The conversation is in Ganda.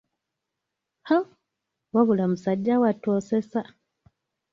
Oh, wabula musajja wattu osesa.